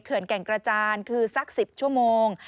แก่งกระจานคือสัก๑๐ชั่วโมง